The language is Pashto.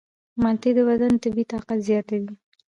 مالټې د بدن طبیعي طاقت زیاتوي.